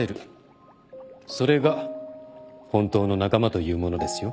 それが本当の仲間というものですよ。